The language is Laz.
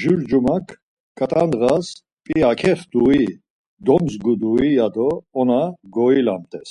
Jur cumak ǩat̆a ndğas, P̌ia kextui, domzgudui? ya do ona goilamt̆es.